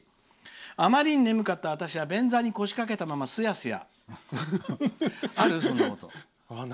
あまりに眠かった私は便座に腰掛けたまま、すやすや」。